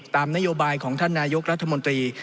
ตามนโยบายของท่านนายกรัฐมนตรี